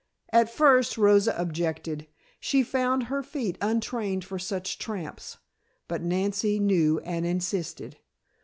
At first Rosa objected; she found her feet untrained for such tramps, but Nancy knew and insisted.